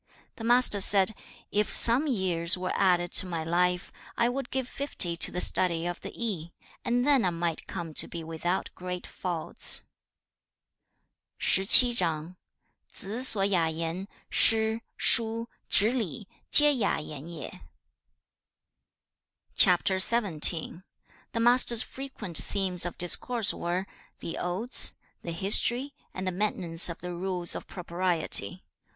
The Master said, 'If some years were added to my life, I would give fifty to the study of the Yi, and then I might come to be without great faults.' CHAP. XVII The Master's frequent themes of discourse were the Odes, the History, and the maintenance of the Rules of Propriety.